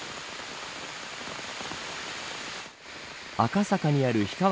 赤坂にある氷川